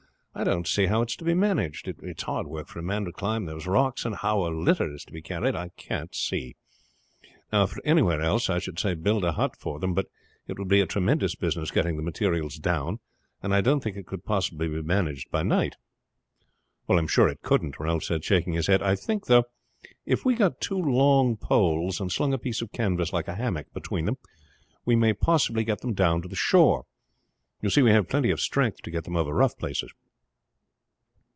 I don't see how it is to be managed. It's hard work for a man to climb those rocks, and how a litter is to be carried I can't see. If it were anywhere else I should say build a hut for them; but it would be a tremendous business getting the materials down, and I don't think it could possibly be managed by night." "I am sure it couldn't," Ralph said, shaking his head. "I think, though, if we got two long poles and slung a piece of canvas like a hammock between them we may possibly get them down to the shore. You see we have plenty of strength to get them over rough places."